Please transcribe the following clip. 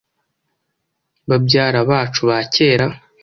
babyara bacu ba kera